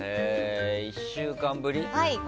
１週間ぶり？